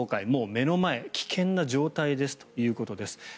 もう目の前危険な状態ですということです。